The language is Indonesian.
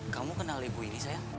kamu kenal ibu ini saya